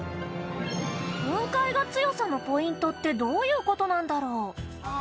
雲海が強さのポイントってどういう事なんだろう？